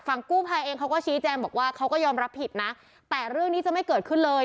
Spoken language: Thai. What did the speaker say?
กู้ภัยเองเขาก็ชี้แจงบอกว่าเขาก็ยอมรับผิดนะแต่เรื่องนี้จะไม่เกิดขึ้นเลย